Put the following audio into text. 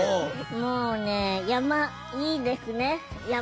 もうね山いいですね山。